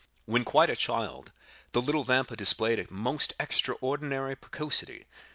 When quite a child, the little Vampa displayed a most extraordinary precocity.